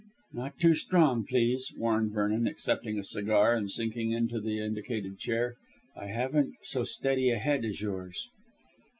"Not too strong, please," warned Vernon, accepting a cigar and sinking into the indicated chair. "I haven't so steady a head as yours."